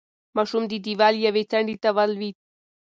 ماشوم د دېوال یوې څنډې ته ولوېد.